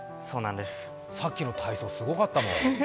さっきの体操、すごかったもん。